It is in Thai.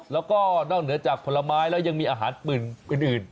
แล้วก็นอกเหนือจากผลไม้แล้วยังมีอาหารอื่น